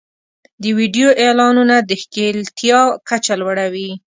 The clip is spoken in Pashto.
د ویډیو اعلانونه د ښکېلتیا کچه لوړوي.